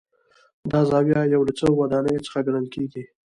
دا زاویه یو له څو ودانیو څخه ګڼل کېږي.